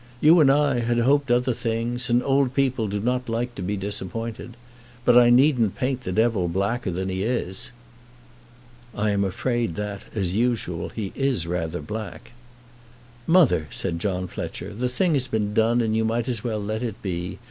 You and I had hoped other things, and old people do not like to be disappointed. But I needn't paint the devil blacker than he is." "I'm afraid that, as usual, he is rather black." "Mother," said John Fletcher, "the thing has been done and you might as well let it be.